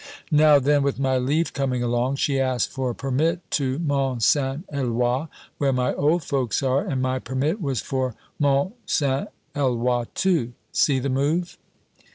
"Now then, with my leave coming along, she asked for a permit to Mont St Eloi, where my old folks are, and my permit was for Mont St Eloi too. See the move?